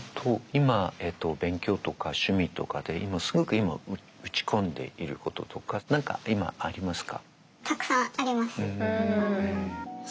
今勉強とか趣味とかですごく今打ち込んでいることとか何か今ありますか？